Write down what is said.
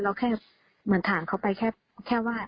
เราแค่เหมือนถามเขาไปแค่ว่า